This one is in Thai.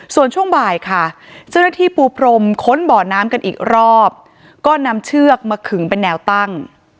ส่วนช่วงบ่ายค่ะเจ้าหน้าที่ปูพรมค้นบ่อน้ำกันอีกรอบก็นำเชือกมาขึงเป็นแนวตั้ง